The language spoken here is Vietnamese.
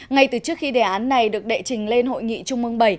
ngay từ trước khi đề án này được đệ trình lên hội nghị trung mương bảy